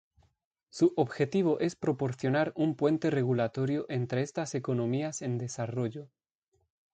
Su objetivo es proporcionar un puente regulatorio entre estas economías en desarrollo.